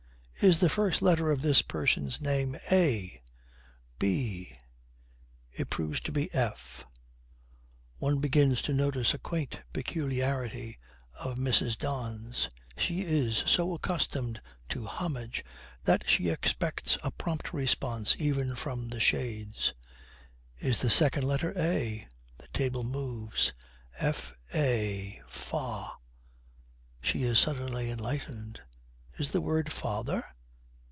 Is the first letter of this person's name A? B? ' It proves to be F. One begins to notice a quaint peculiarity of Mrs. Don's. She is so accustomed to homage that she expects a prompt response even from the shades. 'Is the second letter A?' The table moves. 'FA. Fa ?' She is suddenly enlightened. 'Is the word Father?